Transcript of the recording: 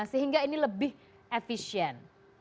sehingga ini lebih efisien